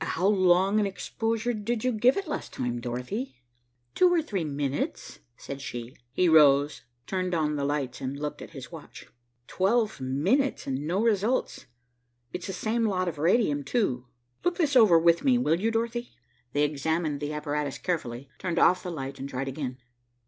"How long an exposure did you give it last time, Dorothy?" "Two or three minutes," said she. He rose, turned on the lights and looked at his watch. "Twelve minutes and no results. It's the same lot of radium, too. Look this over with me, will you, Dorothy?" They examined the apparatus carefully, turned off the light and tried again.